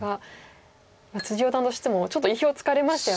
四段としてもちょっと意表をつかれましたよね